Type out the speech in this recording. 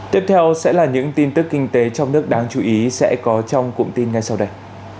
tiếp theo sẽ là những tin tức kinh tế trong nước đáng chú ý sẽ có trong cụm tin ngay sau đây